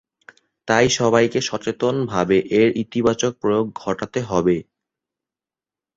তাই সবাইকে সচেতনভাবে এর ইতিবাচক প্রয়োগ ঘটাতে হবে।